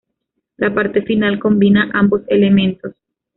La parte final combina ambos elementos.